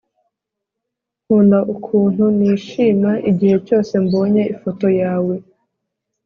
nkunda ukuntu nishima igihe cyose mbonye ifoto yawe